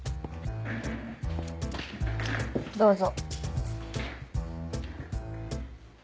どうぞ。